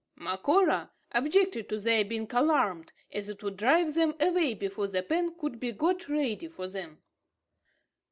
Macora objected to their being alarmed, as it would drive them away before the pen could be got ready for them.